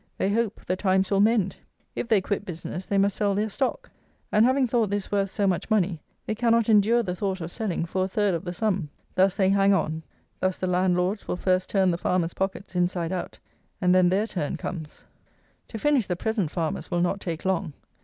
They hope "the times will mend." If they quit business, they must sell their stock; and, having thought this worth so much money, they cannot endure the thought of selling for a third of the sum. Thus they hang on; thus the landlords will first turn the farmers' pockets inside out; and then their turn comes. To finish the present farmers will not take long.